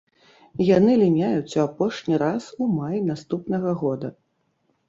Яны ліняюць у апошні раз у маі наступнага года.